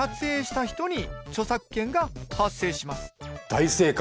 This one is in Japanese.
大正解。